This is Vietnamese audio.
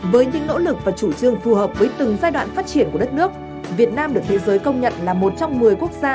với những nỗ lực và chủ trương phù hợp với từng giai đoạn phát triển của đất nước việt nam được thế giới công nhận là một trong một mươi quốc gia